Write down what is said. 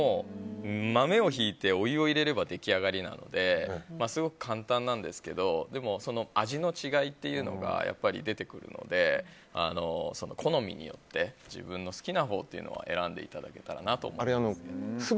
豆をひいてお湯を入れれば出来上がりなのですごく簡単なんですけどでも、味の違いというのが出てくるので好みによって自分の好きなほうを選んでいただけたらなと思います。